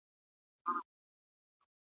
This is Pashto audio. په نارو یو له دنیا له ګاونډیانو .